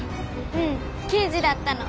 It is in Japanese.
うん刑事だったの。